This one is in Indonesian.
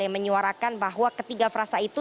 yang menyuarakan bahwa ketiga frasa itu